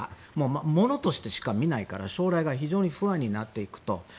物としてしか見ないから将来が非常に不安になっていくと。